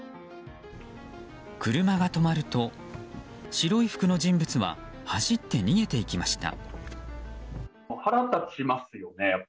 車が止まると、白い服の人物は走って逃げていきました。